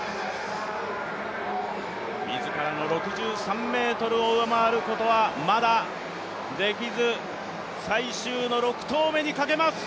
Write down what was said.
自らの６３ｍを上回ることはまだできず、最終の６投目にかけます。